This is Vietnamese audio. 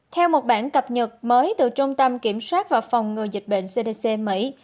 theo một bản cập nhật mới từ trung tâm kiểm soát và phòng ngừa dịch bệnh cdc mỹ